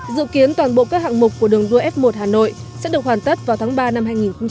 dự kiến toàn bộ các hạng mục của đường đua f một hà nội sẽ được hoàn tất vào tháng ba năm hai nghìn hai mươi